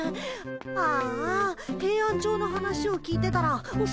ああヘイアンチョウの話を聞いてたらおそくなっちゃった。